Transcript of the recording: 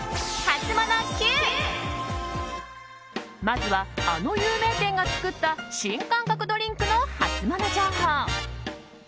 まずはあの有名店が作った新感覚ドリンクのハツモノ情報。